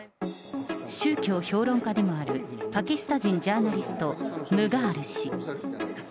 宗教評論家でもある、パキスタン人ジャーナリスト、ムガール氏。